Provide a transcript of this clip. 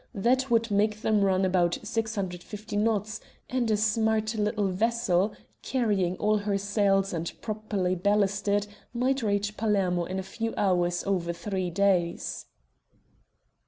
That would make the run about 650 knots, and a smart little vessel, carrying all her sails and properly ballasted, might reach Palermo in a few hours over three days."